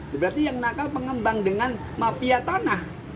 berarti yang nakal pengembang dengan mafia tanah